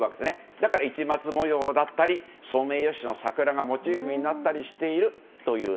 だから市松模様だったりソメイヨシノ桜がモチーフになったりしているという。